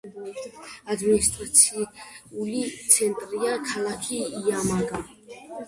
ადმინისტრაციული ცენტრია ქალაქი იამაგატა.